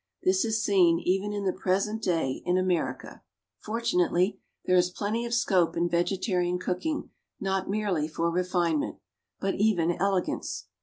This is seen, even in the present day, in America. Fortunately, there is plenty of scope in vegetarian cooking not merely for refinement, but even elegance.